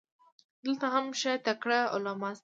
دلته هم ښه تکړه علما سته.